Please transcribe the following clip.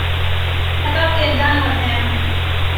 I thought we had done with him.